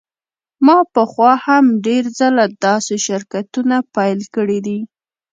ما پخوا هم ډیر ځله داسې شرکتونه پیل کړي دي